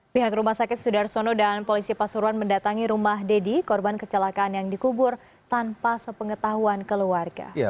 pihak rumah sakit sudarsono dan polisi pasuruan mendatangi rumah deddy korban kecelakaan yang dikubur tanpa sepengetahuan keluarga